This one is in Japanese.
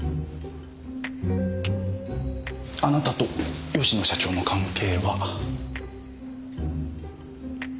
あなたと吉野社長の関係は？